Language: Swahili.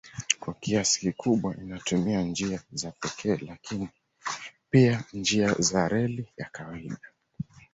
Kwa kiasi kikubwa inatumia njia za pekee lakini pia njia za reli ya kawaida.